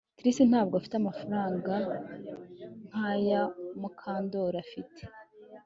Trix ntabwo afite amafaranga nkaya Mukandoli afite